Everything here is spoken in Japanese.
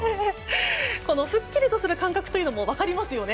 このすっきりとする感覚も分かりますよね。